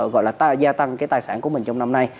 gọi là gia tăng cái tài sản của mình trong năm nay